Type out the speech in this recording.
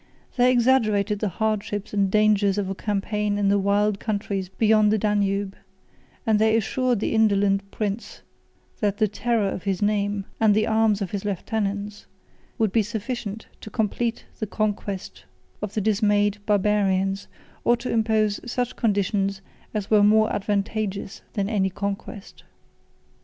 They exaggerated the hardships and dangers of a campaign in the wild countries beyond the Danube; and they assured the indolent prince that the terror of his name, and the arms of his lieutenants, would be sufficient to complete the conquest of the dismayed barbarians, or to impose such conditions as were more advantageous than any conquest.